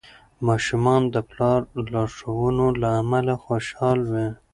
ماشومان د پلار لارښوونو له امله خوشحال وي.